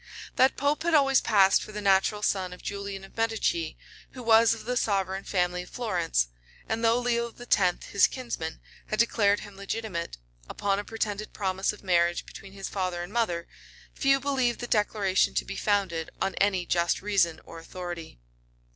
That pope had always passed for the natural son of Julian of Medicis, who was of the sovereign family of Florence; and though Leo X., his kinsman, had declared him legitimate, upon a pretended promise of marriage between his father and mother, few believed that declaration to be founded on any just reason or authority.